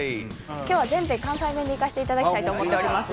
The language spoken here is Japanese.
今日は全編関西弁でいかせていただきたいと思っております。